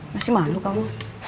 masih malu kamu